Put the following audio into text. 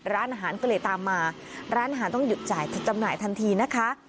ร้านอาหารก็เลยตามมาร้านอาหารต้องหยุดจ่ายจำหน่ายทันทีนะคะ